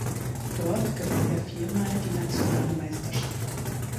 Dort gewann er viermal die nationale Meisterschaft.